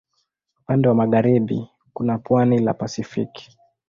Upande wa magharibi kuna pwani la Pasifiki.